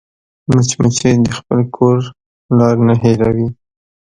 مچمچۍ د خپل کور لار نه هېروي